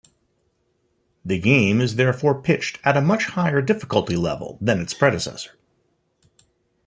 The game is therefore pitched at a much higher difficulty level than its predecessor.